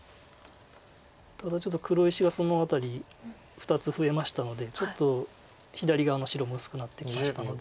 ただちょっと黒石がその辺り２つ増えましたのでちょっと左側の白も薄くなってきましたので。